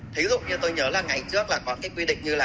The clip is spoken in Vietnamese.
thí dụ như tôi nhớ là ngày trước là có cái quy định như là